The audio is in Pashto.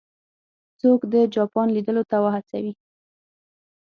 څوک د جاپان لیدلو ته وهڅوي.